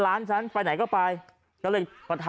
กลับมาพร้อมขอบความ